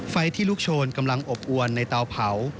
ไฟที่ลูกโชนกำลังอบอวนในเตาเผา